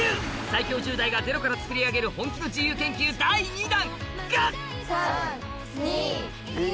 最強１０代がゼロから作り上げる本気の自由研究第２弾が！